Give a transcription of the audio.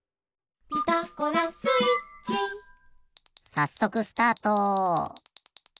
さっそくスタート！